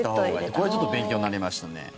これはちょっと勉強になりましたね。